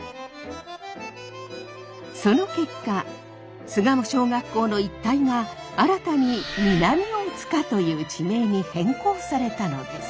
その結果巣鴨小学校の一帯が新たに南大塚という地名に変更されたのです。